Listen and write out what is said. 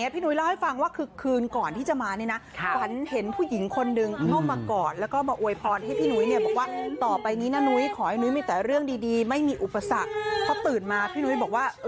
เพราะเห็นแมวไม่เหล่าตาโต